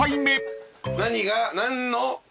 何が何の。